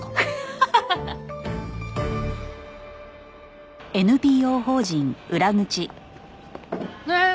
ハハハハッ！ねえ！